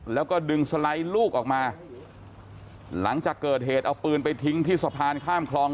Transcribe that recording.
แล้วก็ดึงสไลด์ลูกออกมาหลังจากเกิดเหตุเอาปืนไปทิ้งที่สะพานข้ามคลอง